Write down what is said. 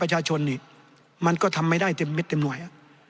ประชาชนนี่มันก็ทำไม่ได้เต็มเม็ดเต็มหน่วย